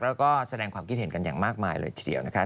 แล้วก็แสดงความคิดเห็นกันอย่างมากมายเลยทีเดียวนะคะ